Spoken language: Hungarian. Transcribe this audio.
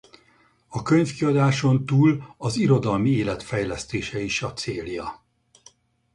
A Könyvkiadáson túl az irodalmi élet fejlesztése is a célja.